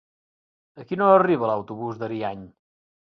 A quina hora arriba l'autobús d'Ariany?